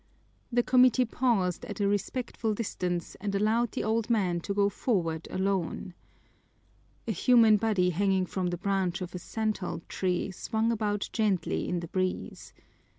The committee paused at a respectful distance and allowed the old man to go forward alone. A human body hanging from the branch of a santol tree swung about gently in the breeze.